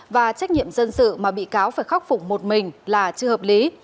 và trách nhiệm dân sự mà bị cáo phải khắc phục một mình là chưa hợp lý